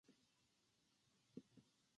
猫を吸いたいし犬も吸いたい